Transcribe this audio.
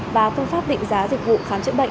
và phương pháp định giá dịch vụ khám chữa bệnh